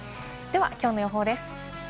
きょうの予報です。